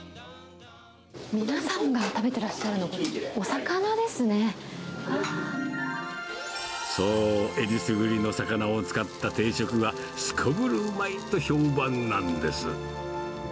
皆さんが食べてらっしゃるの、そう、えりすぐりの魚を使った定食が、すこぶるうまいと評判なんです。